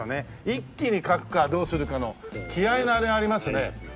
一気に書くかどうするかの気合のあれありますね。